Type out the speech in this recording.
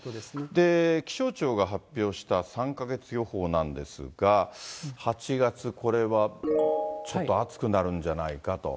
で、気象庁が発表した３か月予報なんですが、８月、これはちょっと暑くなるんじゃないかと。